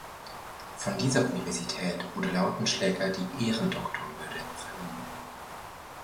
Von dieser Universität wurde Lautenschläger die Ehrendoktorwürde verliehen.